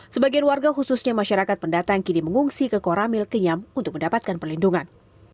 sebagian warga khususnya masyarakat pendatang kini mengungsi ke koramil kenyam untuk mendapatkan perlindungan